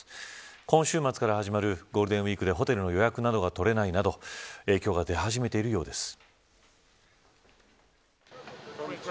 今週末から始まるゴールデンウイークでホテルの予約が取れないなど影響が出始めているようです。